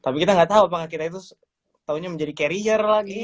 tapi kita nggak tahu apakah kita itu taunya menjadi carrier lagi